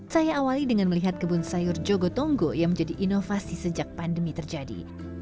saya awali dengan melihat kebun sayur jogotongo yang menjadi inovasi sejak pandemi terjadi